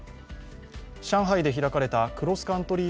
上海で開かれたクロスカントリー